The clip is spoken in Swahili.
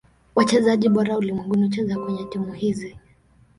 Wachezaji bora ulimwenguni hucheza kwenye timu hizi.